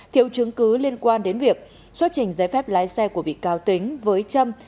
thiếu chứng cứ liên quan đến việc xuất trình giấy phép lái xe của bị cáo tính với trâm